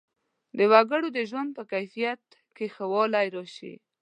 د وګړو د ژوند په کیفیت کې ښه والی راشي.